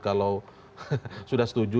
kalau sudah setuju